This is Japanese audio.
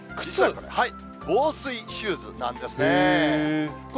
防水シューズなんですね。